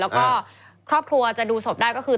แล้วก็ครอบครัวจะดูศพได้ก็คือ